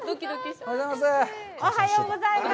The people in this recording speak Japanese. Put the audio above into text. おはようございます。